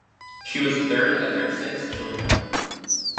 She was the third of their six children.